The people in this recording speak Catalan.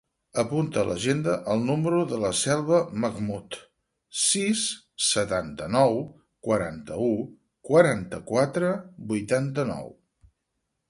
Apunta a l'agenda el número de la Selva Mahmood: sis, setanta-nou, quaranta-u, quaranta-quatre, vuitanta-nou.